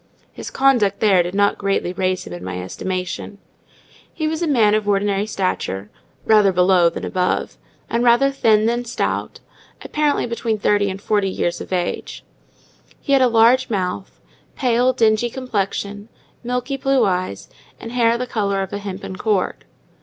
His conduct there did not greatly raise him in my estimation. He was a man of ordinary stature—rather below than above—and rather thin than stout, apparently between thirty and forty years of age: he had a large mouth, pale, dingy complexion, milky blue eyes, and hair the colour of a hempen cord.